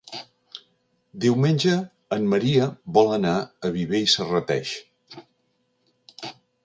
Diumenge en Maria vol anar a Viver i Serrateix.